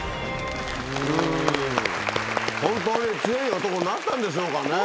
本当に強い男になったんでしょうかね？